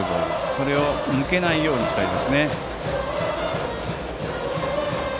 それを抜けないようにしたいです。